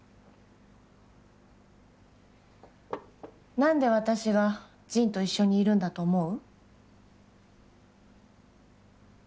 なんで私がジンと一緒にいるんだと思う？